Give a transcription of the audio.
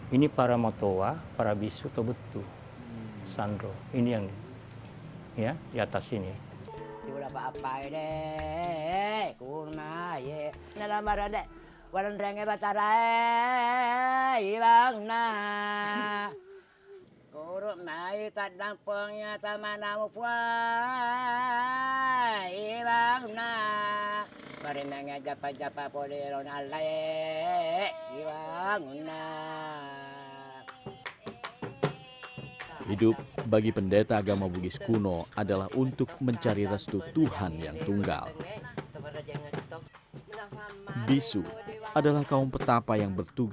ini para motowa para bisu tau betu